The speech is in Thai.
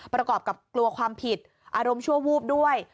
ประกอบกับกลัวความผิดอารมณ์ชั่ววูบด้วย